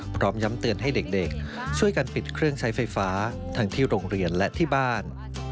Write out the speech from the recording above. พร้อมย้ำเตือนให้เด็กช่วยกันปิดเครื่องใช้ไฟฟ้าทั้งที่โรงเรียนและที่บ้าน